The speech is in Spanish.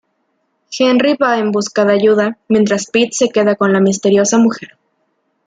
Henry va en busca de ayuda mientras Pete se queda con la misteriosa mujer.